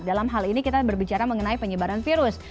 dalam hal ini kita berbicara mengenai penyebaran virus